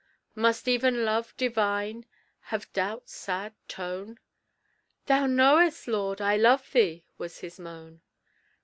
Must even love divine have doubt's sad tone? "Thou knowest, Lord, I love thee," was his moan.